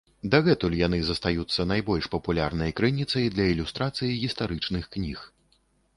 Дагэтуль яны застаюцца найбольш папулярнай крыніцай для ілюстрацыі гістарычных кніг.